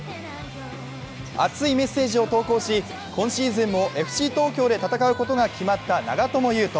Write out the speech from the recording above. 熱いメッセージを投稿し、今シーズンもＦＣ東京で戦うことが決まった長友佑都。